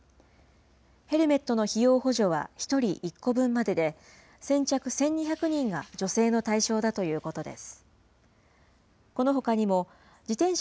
ヘルメットの費用補助は１人１個分までで、先着１２００人が助成の対象だということです。